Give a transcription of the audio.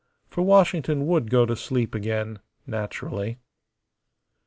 For Washington would go to sleep again, naturally.